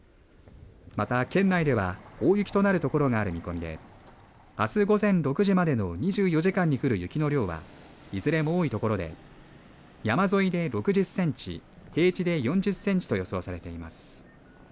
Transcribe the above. また県内では大雪となる所がある見込みであす午前６時までの２４時間に降る雪の量はいずれも多い所で山沿いで６０センチ平地で４０センチと予想されています。